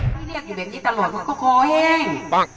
พี่เรียกอยู่แบบนี้ตลอดเค้าก็คอยเอง